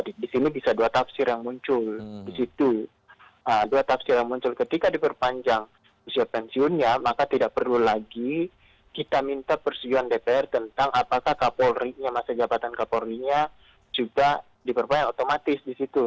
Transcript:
di situ dua tafsir yang muncul ketika diperpanjang usia pensiunnya maka tidak perlu lagi kita minta persiuan dpr tentang apakah kapolri masa jabatan kapolrinya juga diperpanjang otomatis di situ